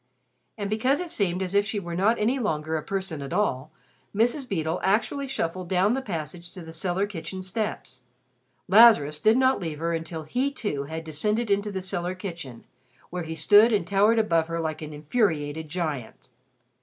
And because it seemed as if she were not any longer a person at all, Mrs. Beedle actually shuffled down the passage to the cellar kitchen steps. Lazarus did not leave her until he, too, had descended into the cellar kitchen, where he stood and towered above her like an infuriated giant.